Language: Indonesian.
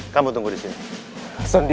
kamu tunggu disini